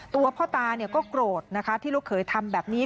ตัวพ่อตาก็โกรธนะคะที่ลูกเขยทำแบบนี้